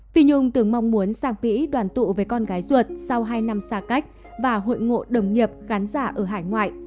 phi nhung từng mong muốn sang mỹ đoàn tụ với con gái ruột sau hai năm xa cách và hội ngộ đồng nghiệp khán giả ở hải ngoại